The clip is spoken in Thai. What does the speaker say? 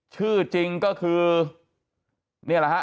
ชื่อจริงก็คือนี่แหละฮะ